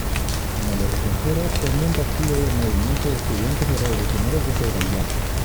En el extranjero, fue miembro activo del movimiento de estudiantes revolucionarios de Azerbaiyán.